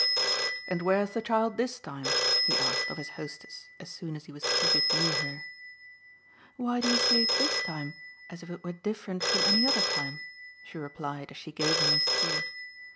"And where's the child this time?" he asked of his hostess as soon as he was seated near her. "Why do you say 'this time' as if it were different from any other time?" she replied as she gave him his tea.